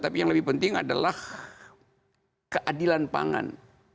tapi yang lebih penting adalah keadilan pangan